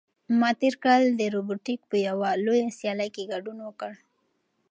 ما تېر کال د روبوټیک په یوه لویه سیالۍ کې ګډون وکړ.